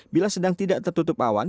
bila sedang tidak tertutup awan